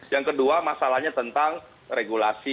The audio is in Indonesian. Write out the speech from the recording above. yang kedua masalahnya tentang regulasi